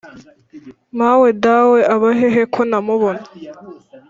mawe dawe abahehe ko ntamubona"